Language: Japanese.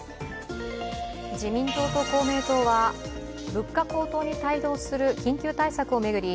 自民党と公明党は、物価高騰に対応する緊急対策を巡り